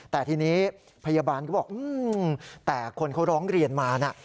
แต่ทีนี้พยาบาลก็บอกแต่คนเขาร้องเรียนมานะ